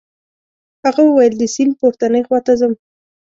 هغه وویل د سیند پورتنۍ خواته ځم.